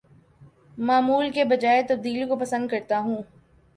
معمول کے بجاے تبدیلی کو پسند کرتا ہوں